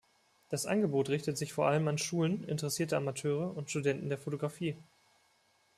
Das Angebot richtet sich vor allem an Schulen, interessierte Amateure und Studenten der Fotografie.